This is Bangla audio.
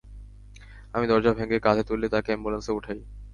আমি দরজা ভেঙ্গে কাধে তুলে, তাকে অ্যাম্বুলেন্সে উঠাই।